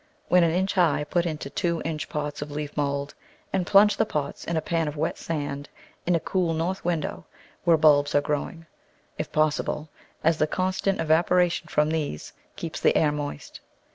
When an inch high put into two inch pots of leaf mould, and plunge the pots in a pan of wet sand in a cool, north window where bulbs are growing, if possible, as the constant evaporation from these keeps the air moist.